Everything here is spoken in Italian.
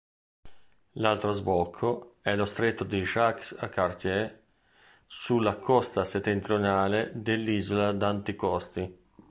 L'altro sbocco è lo stretto di Jacques Cartier sulla costa settentrionale dell'isola d'Anticosti.